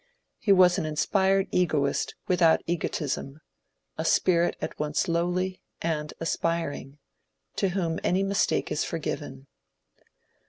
He was an inspired egoist without egotism, a spirit at once lowly and aspiring, to whom any mistake is forgiven.